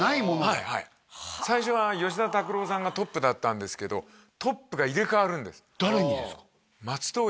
はいはい最初は吉田拓郎さんがトップだったんですけどトップが入れ替わるんです誰にですか？